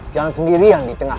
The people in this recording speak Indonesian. jangan sendirian di tengah